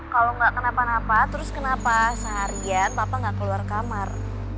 kalau gak kenapa napa terus kenapa seharian bapak gak keluar kamar